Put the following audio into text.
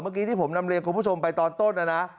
เมื่อกี้ที่ผมนำเรียนคุณผู้ชมไปตอนต้นนะนะ